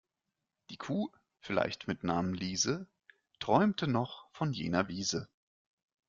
Die Kuh, vielleicht mit Namen Liese, träumte noch von jener Wiese.